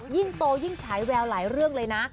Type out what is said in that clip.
ยิ่งโตยิ่งฉายแววหลายเรื่องเลยนะ